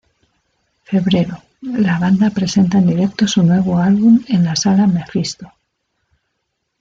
Febrero, la banda presenta en directo su nuevo álbum en la sala Mephisto.